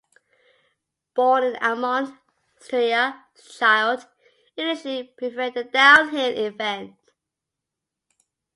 Born in Admont, Styria, Schild initially preferred the downhill event.